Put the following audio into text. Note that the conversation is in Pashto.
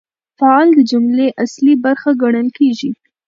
فاعل د جملې اصلي برخه ګڼل کیږي.